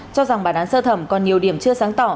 cho rằng bản án sơ thẩm còn nhiều điểm chưa sáng tỏ